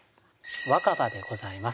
「若葉」でございます。